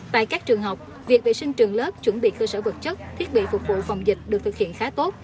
tại các trường học việc vệ sinh trường lớp chuẩn bị cơ sở vật chất thiết bị phục vụ phòng dịch được thực hiện khá tốt